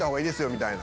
みたいな。